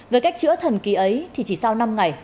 với cách chữa thần kỳ ấy thì chỉ sau năm ngày